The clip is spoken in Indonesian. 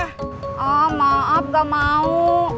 ah maaf nggak mau